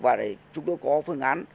và để chúng tôi có phương án